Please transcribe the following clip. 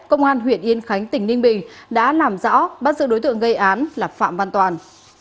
công an huyện yên khánh tỉnh ninh bình đã làm rõ bắt giữ đối tượng gây án là phạm văn toàn